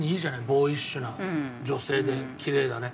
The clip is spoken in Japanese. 「ボーイッシュな女性でキレイだね」。